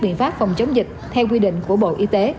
biện pháp phòng chống dịch theo quy định của bộ y tế